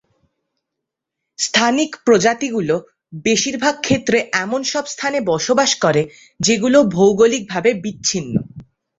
স্থানিক প্রজাতিগুলো বেশিরভাগ ক্ষেত্রে এমন সব স্থানে বসবাস করে যেগুলো ভৌগোলিক ভাবে বিচ্ছিন্ন।